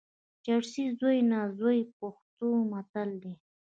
چرسي زوی نه زوی، پښتو متل دئ.